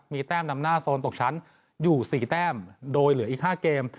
มีแต้มนำหน้าโซนตกชั้นอยู่๔แต้มโดยเหลืออีก๕เกม